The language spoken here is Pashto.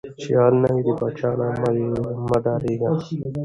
ـ چې غل نه وې د پاچاه نه مه ډارېږه.